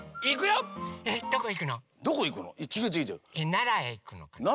ならへいくのかな。